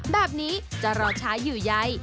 แบบนี้จะรอช้าหยุ่ยใหญ่